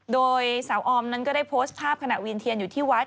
โดยสาวออมนั้นก็ได้โพสต์ภาพขณะเวียนเทียนอยู่ที่วัด